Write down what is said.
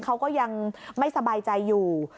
เขาก็ยังไม่สบายใจอยู่